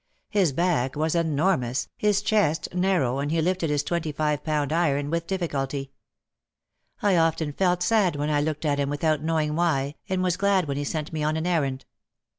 His back was enormous, his chest narrow and he lifted his twenty five pound iron with difficulty. I often felt sad when I looked at him without knowing why and was glad when he sent me on an errand.